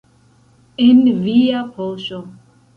En via poŝo.